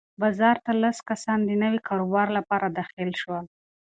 بازار ته لس کسان د نوي کاروبار لپاره داخل شول.